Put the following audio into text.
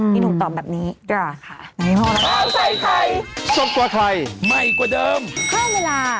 พี่หนุ่มตอบแบบนี้ได้ค่ะ